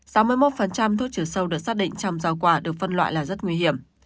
sáu mươi một thuốc trừ sâu được xác định trong rau quả được phân loại là rất nguy hiểm